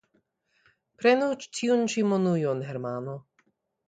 Prenu tiun ĉi monujon, Hermano.